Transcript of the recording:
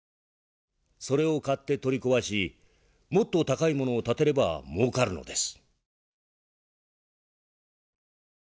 それを買って取り壊しもっと高いものを建てればもうかるのです」。